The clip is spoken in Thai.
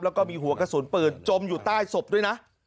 แล้วก็มีหัวกระสุนปืนจมอยู่ใต้ศพด้วยนะ